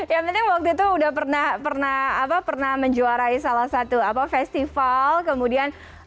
yang penting waktu itu udah pernah pernah apa pernah menjuarai salah satu apa festival kemudian